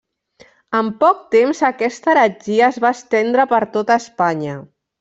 En poc temps aquesta heretgia es va estendre per tota Espanya.